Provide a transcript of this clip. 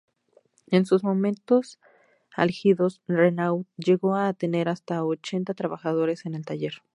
En sus momentos álgidos, Renaud llegó a tener hasta ochenta trabajadoras en el taller.